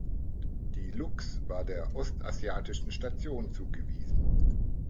Die "Luchs" war der Ostasiatischen Station zugewiesen.